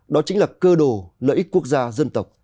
đó chính là cơ đồ lợi ích quốc gia dân tộc